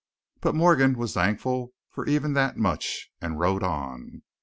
But Morgan was thankful for even that much, and rode on.